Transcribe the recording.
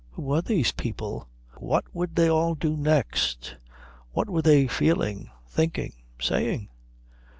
Who were these people? What would they all do next? What were they feeling, thinking, saying?